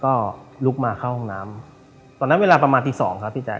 ก็ลุกมาเข้าห้องน้ำตอนนั้นเวลาประมาณตีสองครับพี่แจ